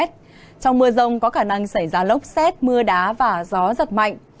trong mưa rông có khả năng xảy ra lốc xét mưa đá và gió giật mạnh